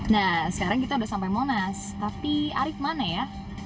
nah sekarang kita udah sampai monas tapi arief mana ya